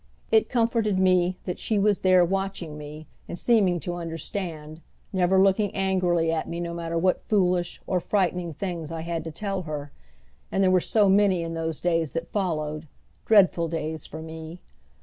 It comforted me that she was there watching me and seeming to understand, never looking angrily at me no matter what foolish or frightening things I had to tell her, and there were so many in those days that followed dreadful days for me!